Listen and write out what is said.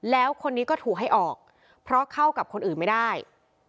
แล้วคนนี้ก็ถูกให้ออกเพราะเข้ากับคนอื่นไม่ได้